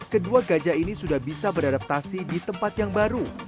kedua gajah ini sudah bisa beradaptasi di tempat yang baru